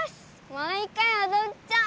もう一回おどっちゃおう！